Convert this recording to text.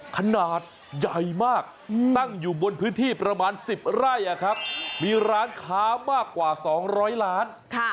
ขนาดใหญ่มากตั้งอยู่บนพื้นที่ประมาณ๑๐ไร่มีร้านค้ามากกว่า๒๐๐ล้าน